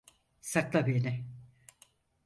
Sakla beni.